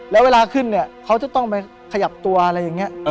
แล้วเวลาขึ้นเนี่ยเขาจะต้องไปขยับตัวอะไรอย่างนี้